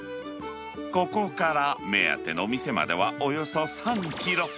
ここから目当ての店までは、およそ３キロ。